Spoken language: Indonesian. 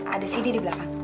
ada sidi di belakang